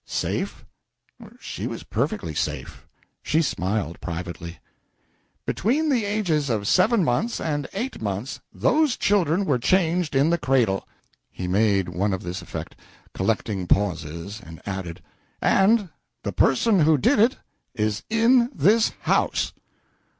Safe? She was perfectly safe. She smiled privately. "Between the ages of seven months and eight months those children were changed in the cradle" he made one of his effect collecting pauses, and added "and the person who did it is in this house!"